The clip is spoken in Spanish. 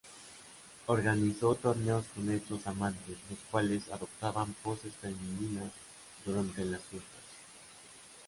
Organizó torneos con estos amantes, los cuales adoptaban poses femeninas durante las justas.